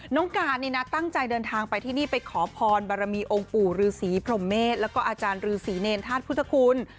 น้องการตั้งใจเดินทางไปที่นี่ไปขอพรบารมีองค์ปู่รือศรีพรหมเมฆและอาจารย์รือศรีเนนธาตุพุทธคุณ